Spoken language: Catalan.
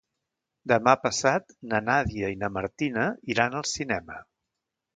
Demà passat na Nàdia i na Martina iran al cinema.